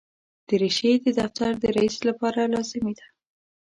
دریشي د دفتر د رئیس لپاره لازمي ده.